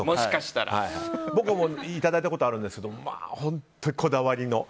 僕もいただいたことあるんですけど本当にこだわりの。